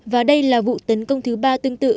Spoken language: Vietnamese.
và đây là vụ tấn công thứ ba tương tự